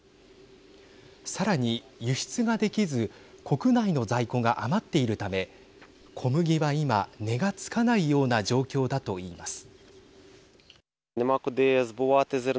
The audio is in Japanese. さらに輸出ができず国内の在庫が余っているため小麦は今、値がつかないような状況だといいます。